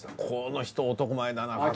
この人男前だな。